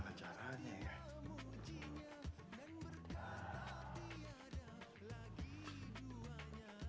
tapi bagaimana caranya ya